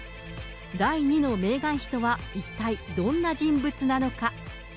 第２のメーガン妃とは一体どんな人物なのか。